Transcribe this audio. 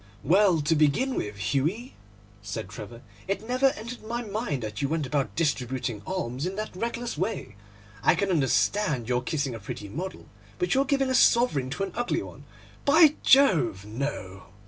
'Well, to begin with, Hughie,' said Trevor, 'it never entered my mind that you went about distributing alms in that reckless way. I can understand your kissing a pretty model, but your giving a sovereign to an ugly one—by Jove, no!